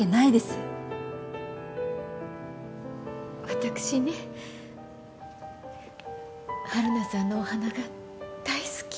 私ね春菜さんのお花が大好き。